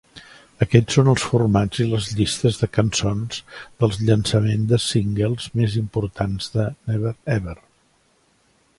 Aquests són els formats i les llistes de cançons dels llançaments de singles més importants de "Never Ever".